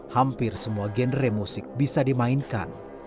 hampir semua genre musik bisa dimainkan